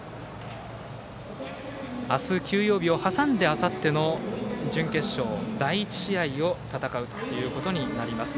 明日休養日をはさんでのあさって準決勝、第１試合を戦うことになります。